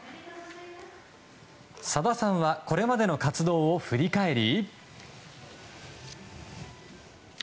さださんはこれまでの活動を振り返り。